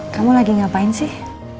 kamu lagi ngapain sih